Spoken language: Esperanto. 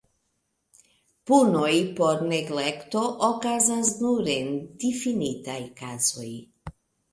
Punoj pro neglekto okazas nur en difinitaj kazoj.